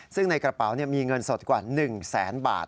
ซึ่งในกระเป๋ามีเงินสดกว่า๑แสนบาท